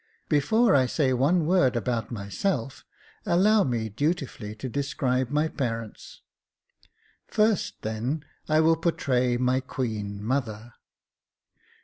Before I say one word about myself, allow me dutifully to describe my parents. First, then, I will portray my queen mother.